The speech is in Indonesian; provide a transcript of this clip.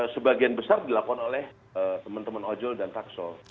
sebagian besar dilakukan oleh teman teman ojol dan takso